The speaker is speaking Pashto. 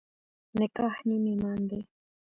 نکاح نیم ایمان دی.